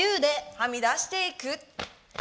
はみ出していく。